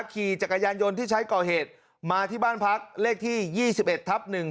ขี่จักรยานยนต์ที่ใช้ก่อเหตุมาที่บ้านพักเลขที่ยี่สิบเอ็ดทับหนึ่ง